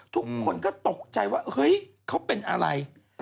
ทุกคนก็ตกใจว่าเฮ้ยเขาเป็นอะไร